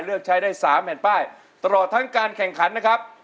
เลือกใช้ได้๓แผ่นป้ายตลอดทั้งการแข่งขันนะครับ